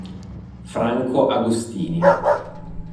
Franco Agostini